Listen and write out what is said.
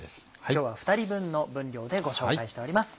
今日は２人分の分量でご紹介しております。